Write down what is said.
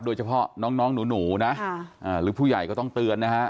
โดยเฉพาะน้องหนูนะหรือผู้ใหญ่ก็ต้องเตือนนะฮะ